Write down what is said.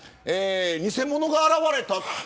偽物が現れた。